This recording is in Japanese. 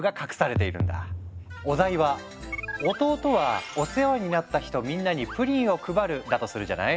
お題は「弟はお世話になった人みんなにプリンを配る」だとするじゃない？